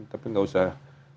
tapi gak usah